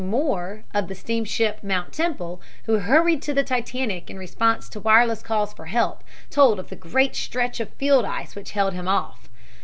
Moore, of the steamship Mount Temple, who hurried to the Titanic in response to wireless calls for help, told of the great stretch of field ice which held him off.